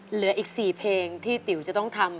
เหลืออีก๔เพลงที่ติ๋วจะต้องทำ